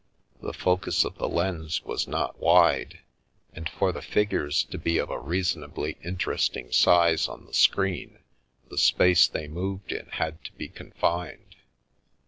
The focus of the lens was not wide ; and for the figures to be of a reasonably inter esting size on the screen, the space they moved in had to be confined.